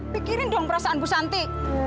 pikirin dong perasaan bu santi